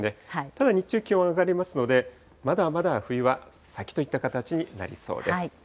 ただ日中、気温上がりますので、まだまだ冬は先といった形になりそうです。